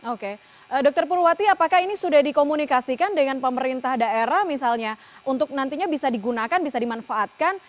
oke dr purwati apakah ini sudah dikomunikasikan dengan pemerintah daerah misalnya untuk nantinya bisa digunakan bisa dimanfaatkan